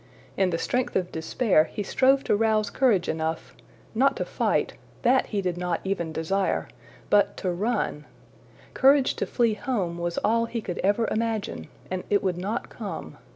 In the strength of despair he strove to rouse courage enough not to fight that he did not even desire but to run. Courage to flee home was all he could ever imagine, and it would not come.